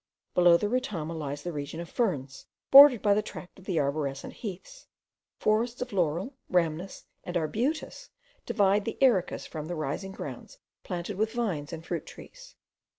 Below the retama, lies the region of ferns, bordered by the tract of the arborescent heaths. Forests of laurel, rhamnus, and arbutus, divide the ericas from the rising grounds planted with vines and fruit trees.